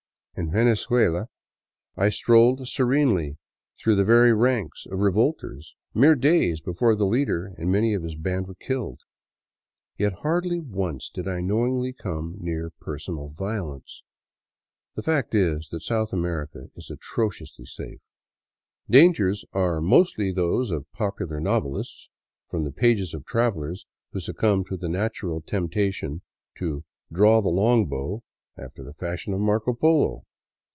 In Venezuela I strolled serenely through the very ranks of revolters mere days before the leader and many of his band were killed. Yet hardly once did I knowingly come near personal violence. The fact is that South America is atrociously safe. Dangers are mostly those of popu lar novelists, from the pages of travelers who succumb to the natural temptation to " draw the long bow," after the fashion of Marco Polo.